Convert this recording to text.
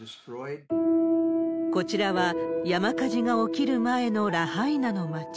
こちらは、山火事が起きる前のラハイナの街。